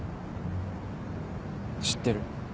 知ってる。